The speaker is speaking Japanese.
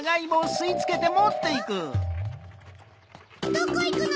どこいくの？